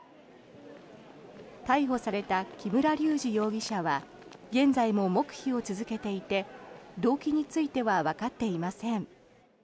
逮捕された木村隆二容疑者は現在も黙秘を続けていて動機についてはわかっていません。